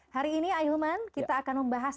hari ini ahilman kita akan membahas